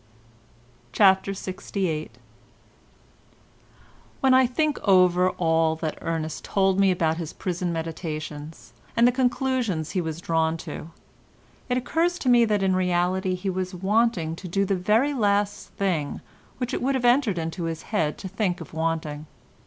CHAPTER LXVIII When I think over all that Ernest told me about his prison meditations, and the conclusions he was drawn to, it occurs to me that in reality he was wanting to do the very last thing which it would have entered into his head to think of wanting.